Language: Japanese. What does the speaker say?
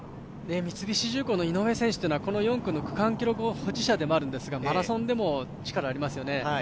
三菱重工の井上選手はこの４区の区間記録保持者でもあるんですが、マラソンでも力がありますよね。